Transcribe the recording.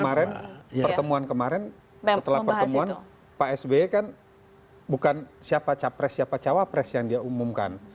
kemarin pertemuan kemarin setelah pertemuan pak sby kan bukan siapa capres siapa cawapres yang dia umumkan